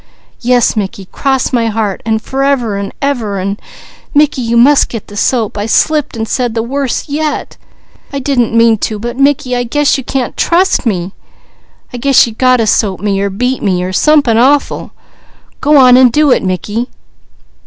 _" "Yes Mickey, cross my heart, an' f'rever, an' ever; an' Mickey, you must get the soap. I slipped, an' said the worse yet. I didn't mean to, but Mickey, I guess you can't trust me. I guess you got to soap me, or beat me, or somepin awful. Go on an' do it, Mickey."